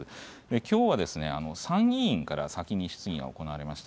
きょうはですね、参議院から先に質疑が行われました。